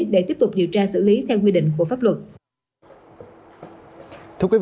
để tiếp tục điều tra xử lý theo quy định của pháp luật